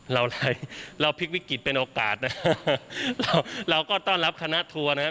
อะไรเราพลิกวิกฤตเป็นโอกาสนะเราเราก็ต้อนรับคณะทัวร์นะครับ